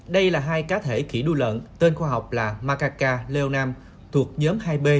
đây là hai cá thể khí đuôi lợn tên khoa học là makaka leonam thuộc nhóm hai b